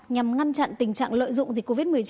nhằm ngăn chặn tình trạng lợi dụng dịch covid một mươi chín